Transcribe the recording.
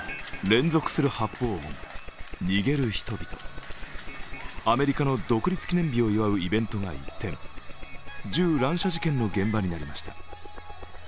連続する発砲音、逃げる人々アメリカの独立記念日を祝うイベントが一転、銃乱射事件の現場になりました。